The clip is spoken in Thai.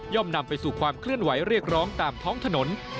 นำไปสู่ความเคลื่อนไหวเรียกร้องตามท้องถนน